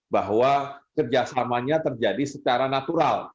bahwa kerjasamanya terjadi secara natural